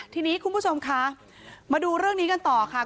ทีนี้คุณผู้ชมคะมาดูเรื่องนี้กันต่อค่ะ